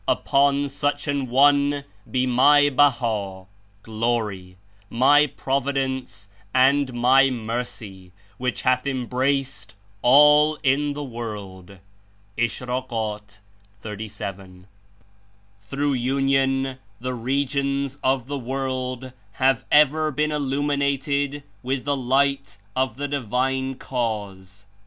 Upon such an one be My Baha (Glory), My Prov idence and My Mercy, which hath embraced all in the world!" (Ish. 37.) "Through union the regions of the world have 106 ever been Illuminated with the light of the (Divine) Cause.